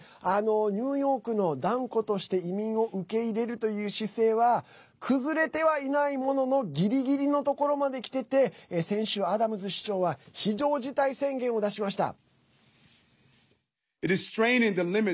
ニューヨークの断固として移民を受け入れるという姿勢は崩れてはいないもののギリギリのところまできてて先週、アダムズ市長は非常事態宣言を出しました。